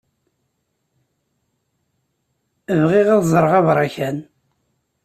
Bɣiɣ ad ẓreɣ abṛakan.